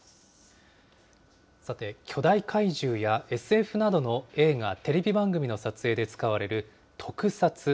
さて、巨大怪獣やＳＦなどの映画、テレビ番組の撮影で使われる特撮。